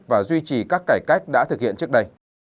và duy trì các cải cách đã thực hiện trước đây